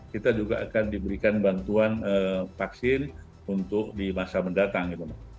kita juga akan diberikan bantuan vaksin untuk di masa mendatang